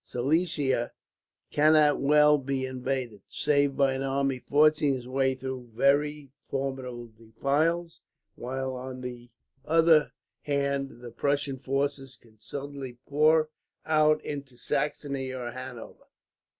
Silesia cannot well be invaded, save by an army forcing its way through very formidable defiles; while on the other hand, the Prussian forces can suddenly pour out into Saxony or Hanover.